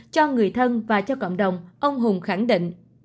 cho người thân và cho cộng đồng ông hùng khẳng định